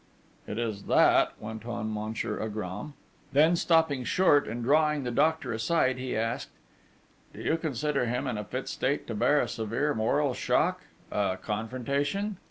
'It is that ' went on Monsieur Agram. Then stopping short, and drawing the doctor aside, he asked: 'Do you consider him in a fit state to bear a severe moral shock?... A confrontation?'